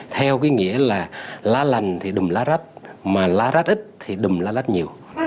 theo cái nghĩa là la lành thì đùm la rách mà la rách ít thì đùm la rách nhiều